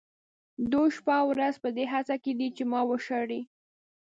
دوی شپه او ورځ په دې هڅه کې دي چې ما وشړي.